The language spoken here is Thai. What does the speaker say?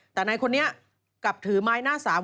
แต่นายคนนี้กลับถือไม้หน้าสาม